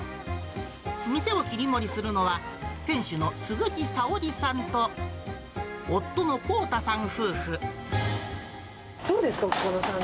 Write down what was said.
店を切り盛りするのは、店主の鈴木沙織さんと、どうですか？